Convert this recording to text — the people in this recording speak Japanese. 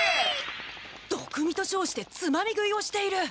どくみとしょうしてつまみ食いをしている。